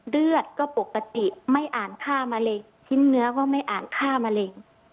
เลือดก็ปกติไม่อ่านค่ามะเร็งชิ้นเนื้อก็ไม่อ่านค่ามะเร็ง